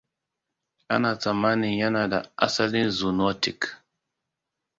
Ana tsammanin yana da asalin zoonotic.